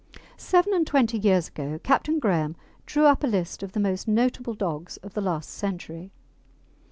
Seven and twenty years ago Captain Graham drew up a list of the most notable dogs of the last century.